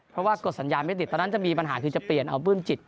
เพราะว่ากดสัญญาณไม่ติดตอนนั้นจะมีปัญหาคือจะเปลี่ยนเอาปื้มจิต